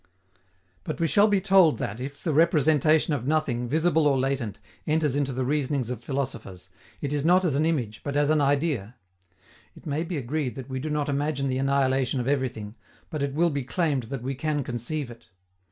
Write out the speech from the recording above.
But we shall be told that, if the representation of Nothing, visible or latent, enters into the reasonings of philosophers, it is not as an image, but as an idea. It may be agreed that we do not imagine the annihilation of everything, but it will be claimed that we can conceive it.